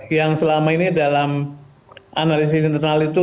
yang selama ini dalam analisis internal itu